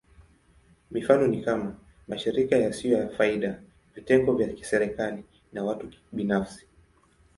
Mifano ni kama: mashirika yasiyo ya faida, vitengo vya kiserikali, na watu binafsi.